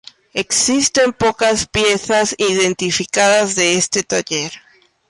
Existen pocas piezas identificadas de este taller.